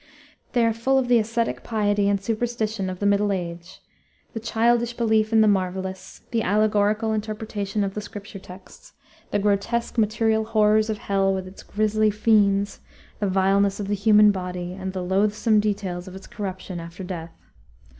They are full of the ascetic piety and superstition of the Middle Age, the childish belief in the marvelous, the allegorical interpretation of Scripture texts, the grotesque material horrors of hell with its grisly fiends, the vileness of the human body and the loathsome details of its corruption after death.